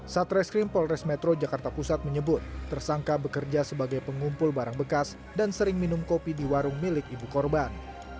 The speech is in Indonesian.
satreskrim polres metro jakarta pusat menyebut tersangka bekerja sebagai pengumpul barang bekas dan sering minum kopi di warung milik ibu korban